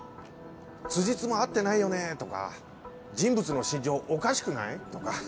「つじつま合ってないよね」とか「人物の心情おかしくない？」とか。